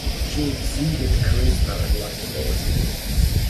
She exuded charisma and likability.